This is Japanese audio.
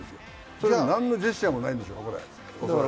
それがなんのジェスチャーもないんですから。